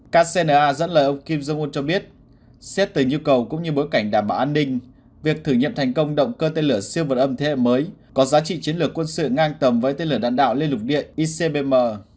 kcna dẫn lời ông kim jong un cho biết xét tới nhu cầu cũng như bối cảnh đảm bảo an ninh việc thử nghiệm thành công động cơ tên lửa siêu vật âm thế hệ mới có giá trị chiến lược quân sự ngang tầm với tên lửa đạn đạo liên lục điện icbm